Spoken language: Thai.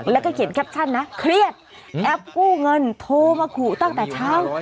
แล้วก็เขียนแคปชั่นนะเครียดแอปกู้เงินโทรมาขู่ตั้งแต่เช้า